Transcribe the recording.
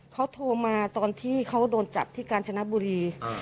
เขาโทรมาตอนที่เขาโดนจับที่กาญจนบุรี